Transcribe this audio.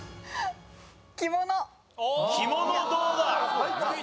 着物どうだ？